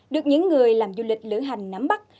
được những người làm du lịch lửa hành nắm bắt